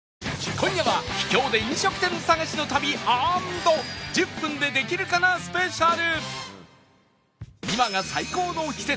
今夜は秘境で飲食店探しの旅 ＆１０ 分でできるかなスペシャル